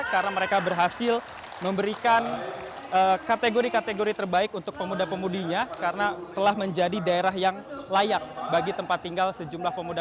karena mereka berhasil memberikan kategori kategori terbaik untuk pemuda pemudinya karena telah menjadi daerah yang layak bagi tempat tinggal sejumlah pemuda